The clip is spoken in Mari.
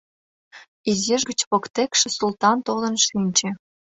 Изиш гыч воктекше Султан толын шинче.